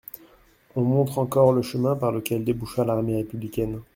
On montre encore le chemin par lequel déboucha l'armée républicaine.